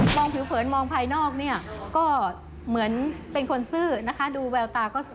มองผิวเผินมองภายนอกนี่ก็เหมือนเป็นคนซื่อนะคะ